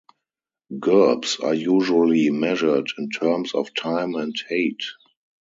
Gerbs are usually measured in terms of time and height.